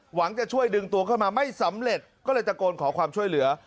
หวังจะช่วยดึงตัวเข้ามาไม่สำเร็จก็เลยตะโกนขอความช่วยเหลือ